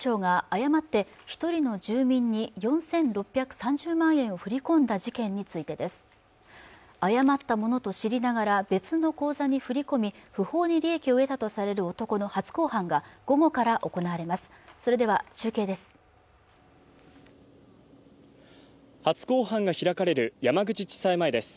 誤ったものと知りながら別の口座に振り込み不法に利益を得たとされる男の初公判が午後から行われます